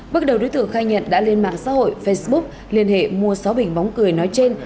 bước đầu đối tượng khai nhận đã lên mạng xã hội facebook liên hệ mua sáu bình bóng cười nói trên